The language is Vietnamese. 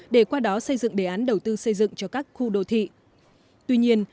để qua đó xây dựng đề án đầu tư xây dựng cho các khu đô thị